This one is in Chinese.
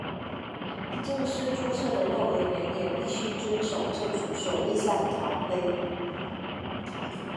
正式注册的幼儿园也必须遵守政府所立下的条规。